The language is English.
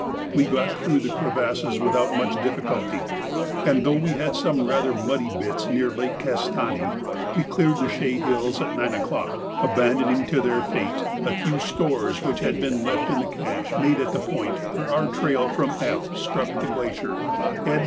We got through the crevasses without much difficulty, and, though we had some rather muddy bits near Lake Castani, we cleared the Chaix Hills at nine o'clock, abandoning to their fate a few stores which had been left in the cache made at the point where our trail from F struck the glacier, Ed.